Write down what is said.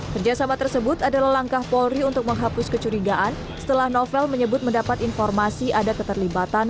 kerjasama tersebut adalah langkah polri untuk menghapus kecurigaan setelah novel menyebut mendapat informasi ada keterlibatan